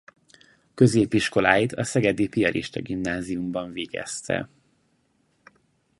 Középiskoláit a szegedi piarista gimnáziumban végezte.